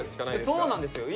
そうなんですよ。